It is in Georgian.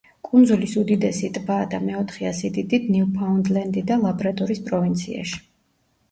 კუნძულის უდიდესი ტბაა და მეოთხეა სიდიდით ნიუფაუნდლენდი და ლაბრადორის პროვინციაში.